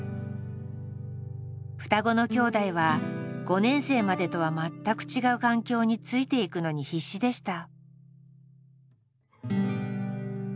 双子の兄弟は５年生までとは全く違う環境についていくのに必死でした。